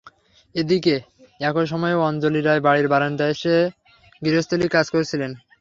এদিকে, একই সময়ে অঞ্জলি রায় বাড়ির বারান্দায় বসে গৃহস্থালির কাজ করছিলেন।